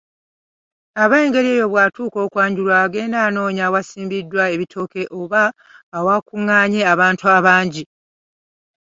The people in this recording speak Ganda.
Ab’engeri eyo bw’atuuka okwanjulwa, agenda anoonya awasimbiddwa ebitooke oba awakunganye abantu abangi !